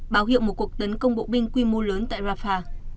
báo hiệu một cuộc tấn công bộ binh quy mô lớn tại rafah